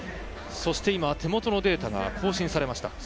そして、手元のデータが更新されました。